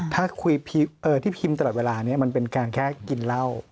ถ้าคุยที่พิมพ์ตลอดเวลานี้มันเป็นการแค่กินเหล้า